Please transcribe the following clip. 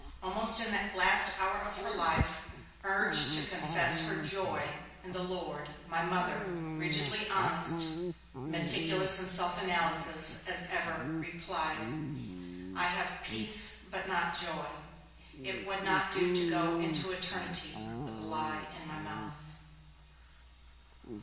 Almost in the last hour of her life, urged to confess her 'joy' in the Lord, my Mother, rigidly honest, meticulous in self analysis, as ever, replied: 'I have peace, but not joy. It would not do to go into eternity with a lie in my mouth.'